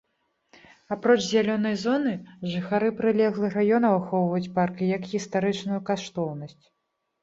Апроч зялёнай зоны, жыхары прылеглых раёнаў ахоўваюць парк і як гістарычную каштоўнасць.